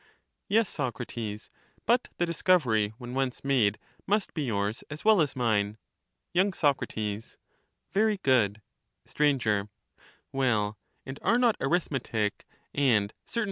Yes, Socrates, but the discovery, when once made, must be yours as well as mine. Y. Soc. Very good. Str. Well, and are not arithmetic and certain other Cp.